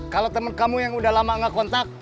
kalau teman kamu yang udah lama gak kontak